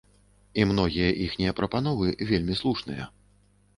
І многія іхнія прапановы вельмі слушныя.